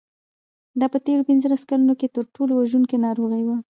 دا په تېرو پنځلسو کلونو کې تر ټولو وژونکې ناروغي وه.